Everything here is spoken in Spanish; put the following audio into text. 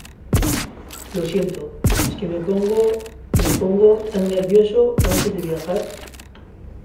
Lo siento. Es que me pongo me pongo tan nervioso antes de viajar .